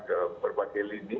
ke berbagai lini